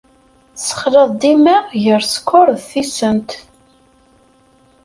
Tessexlaḍ dima gar sskeṛ d tisent.